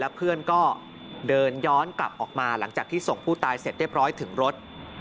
เพื่อนก็เดินย้อนกลับออกมาหลังจากที่ส่งผู้ตายเสร็จเรียบร้อยถึงรถ